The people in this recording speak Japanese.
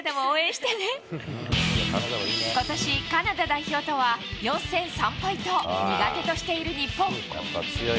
ことし、カナダ代表とは４戦３敗と苦手としている日本。